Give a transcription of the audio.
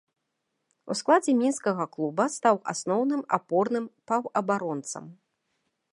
У складзе мінскага клуба стаў асноўным апорным паўабаронцам.